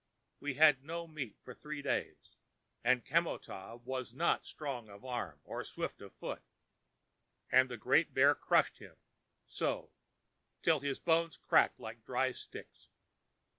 We had no meat for three days, and Kamo tah was not strong of arm nor swift of foot. And the great bear crushed him, so, till his bones cracked like dry sticks.